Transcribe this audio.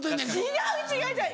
違う違う違う！